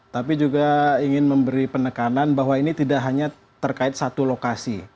tapi juga ingin memberi penekanan bahwa ini tidak hanya terkait satu lokasi